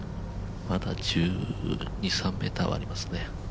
まだ１２１３ｍはありますね